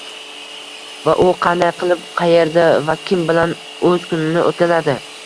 va “u qanday qilib, qayerda va kim bilan o‘z kunini o‘tkazadi?”